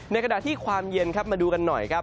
ในขณะที่ความเย็นมาดูกันหน่อย